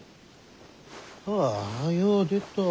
ああよう出たわ。